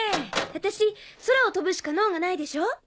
私空を飛ぶしか能がないでしょ？